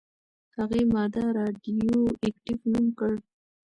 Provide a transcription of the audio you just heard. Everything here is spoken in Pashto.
هغې ماده «راډیواکټیف» نوم کړه.